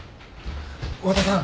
和田さん。